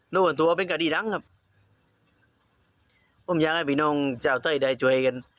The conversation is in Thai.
รู้ว่าตัวเป็นคดีดังครับผมอยากให้พี่น้องชาวใต้ได้ช่วยกัน